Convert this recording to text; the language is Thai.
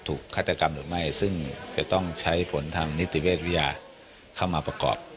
ฆาตกรรมหรือไม่ซึ่งจะต้องใช้ผลทางนิติเวชวิทยาเข้ามาประกอบ